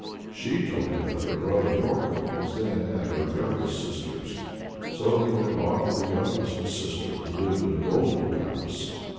She told him that her brother Norka was then at her youngest sister's. So he went on to the youngest sister, who lived in a golden palace.